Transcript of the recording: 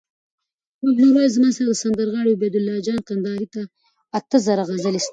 محمد نور وایی: زما سره د سندرغاړی عبیدالله جان کندهاری اته زره غزلي سته